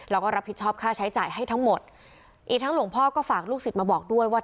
แล้วก็รับผิดชอบค่าใช้จ่ายให้ทั้งหมดอีกทั้งหลวงพ่อก็ฝากลูกศิษย์มาบอกด้วยว่า